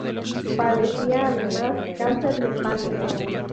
Padecía además cáncer de páncreas.